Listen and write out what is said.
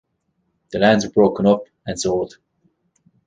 The lands were broken up and sold.